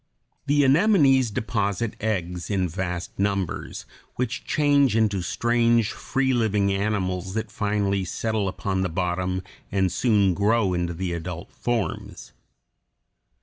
The anemones deposit eggs in vast numbers, which change into strange, free swimming animals that finally settle upon the bottom and soon grow into the adult forms.